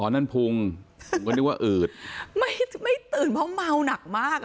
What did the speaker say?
อ๋อนั่นพุงก็มีว่าอืดไม่ไม่ตื่นเพราะเมาหนักมาก